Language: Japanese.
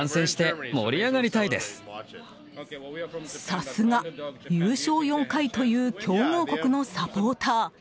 さすが、優勝４回という強豪国のサポーター。